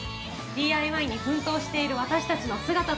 ＤＩＹに奮闘している私たちの姿と。